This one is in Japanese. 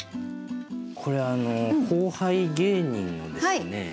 これ後輩芸人のですね